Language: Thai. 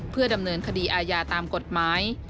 เพื่อดำเนินคดีอาญาตามกฎหมาย